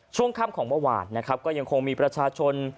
ช่วงค่ำของเมื่อวานนะครับก็ยังคงมีประชาชน